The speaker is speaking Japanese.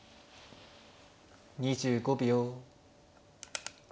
２５秒。